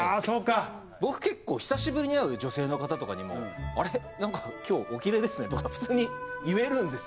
僕結構久しぶりに会う女性の方とかにも「あれ？何か今日おきれいですね」とか普通に言えるんですよ。